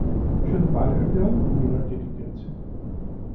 শুধু বাইরের দেয়াল ও মিনারটি টিকে আছে।